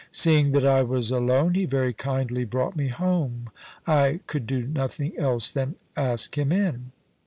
Seeing that I was alone he very kindly brought me home. I could do nothing else than ask him in.